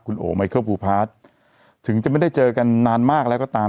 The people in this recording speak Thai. คุณโอไมเคิลภูพาร์ทถึงจะไม่ได้เจอกันนานมากแล้วก็ตาม